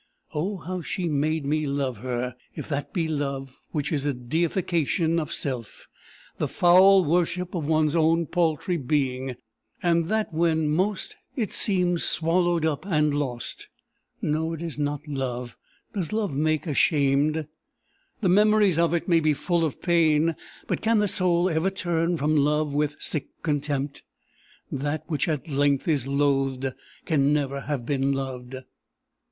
Oh, how she made me love her! if that be love which is a deification of self, the foul worship of one's own paltry being! and that when most it seems swallowed up and lost! No, it is not love! Does love make ashamed? The memories of it may be full of pain, but can the soul ever turn from love with sick contempt? That which at length is loathed, can never have been loved!